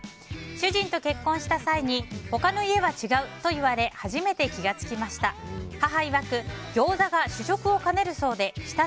主人と結婚した際に外の家は違うといわれ初めて気が付きました。